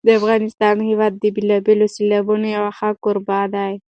د افغانستان هېواد د بېلابېلو سیلابونو یو ښه کوربه دی.